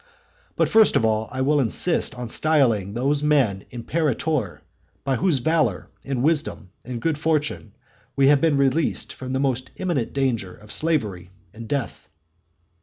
But first of all I will insist on styling those men imperator by whose valour, and wisdom, and good fortune we have been released from the most imminent danger of slavery and death.